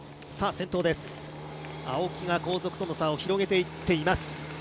先頭、青木が後続との差を広げていっています。